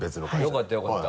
よかったよかった。